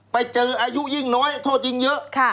ไปเจออายุยิ่งน้อยโทษยิ่งเยอะ